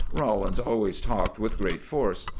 Rawlins always talked with great force.